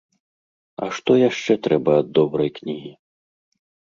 А што яшчэ трэба ад добрай кнігі?